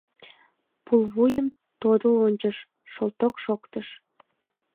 Пулвуйым тодыл ончыш — шылток шоктыш.